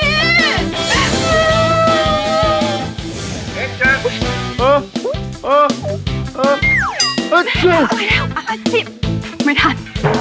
เออเออเออเออไม่ทัน